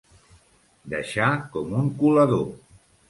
Deixar com un colador.